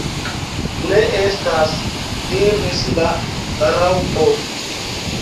"Ne estas," diris la Raŭpo.